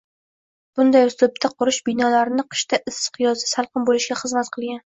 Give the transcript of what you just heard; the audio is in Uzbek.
Bunday uslubda qurish binolarni qishda issiq yozda salqin bo'lishiga xizmat qilgan.